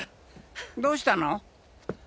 どうしたの？